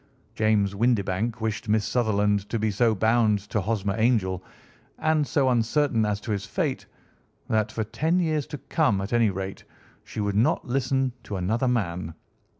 James Windibank wished Miss Sutherland to be so bound to Hosmer Angel, and so uncertain as to his fate, that for ten years to come, at any rate, she would not listen to another man.